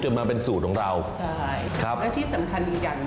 จะมาเป็นสูตรของเราครับแล้วที่สำคัญอีกอย่าง